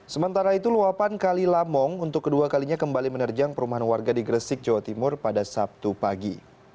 sementara itu luapan kali lamong untuk kedua kalinya kembali menerjang perumahan warga di gresik jawa timur pada sabtu pagi